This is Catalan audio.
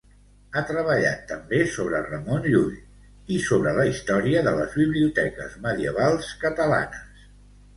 Ha treballat també sobre Ramon Llull i sobre la història de les biblioteques medievals catalanes.